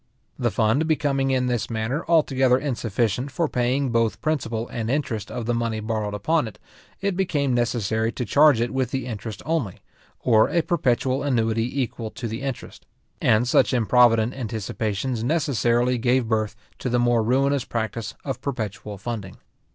The fund becoming in this manner altogether insufficient for paying both principal and interest of the money borrowed upon it, it became necessary to charge it with the interest only, or a perpetual annuity equal to the interest; and such improvident anticipations necessarily gave birth to the more ruinous practice of perpetual funding.